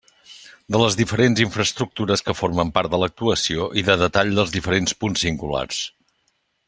De les diferents infraestructures que formen part de l'actuació i de detall dels diferents punts singulars.